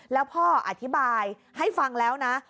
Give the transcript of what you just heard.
แล้วพ่ออธิบายให้ฟังแล้วนะ